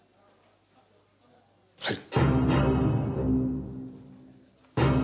はい。